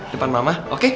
depan mama oke